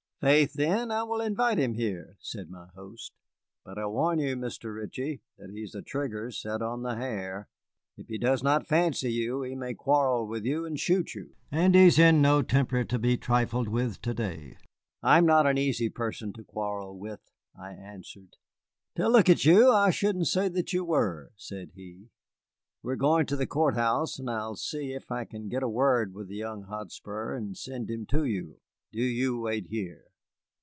"Faith, then, I will invite him here," said my host. "But I warn you, Mr. Ritchie, that he is a trigger set on the hair. If he does not fancy you, he may quarrel with you and shoot you. And he is in no temper to bectrifled with to day." "I am not an easy person to quarrel with," I answered. "To look at you, I shouldn't say that you were," said he. "We are going to the court house, and I will see if I can get a word with the young Hotspur and send him to you. Do you wait here."